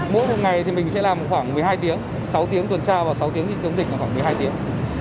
mỗi ngày thì mình sẽ làm khoảng một mươi hai tiếng sáu tiếng tuần tra và sáu tiếng kiểm dịch khoảng một mươi hai tiếng